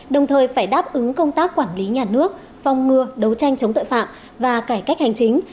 đồng thời phải đáp ứng công tác quản lý nhà nước phong ngừa đấu tranh chống tội phạm và cải cách hành chính